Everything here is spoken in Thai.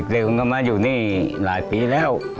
เด็กมันก็มาอยู่นี่หลายปีแล้ว